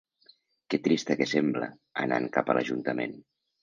Que trista que sembla, anant cap a l’ajuntament.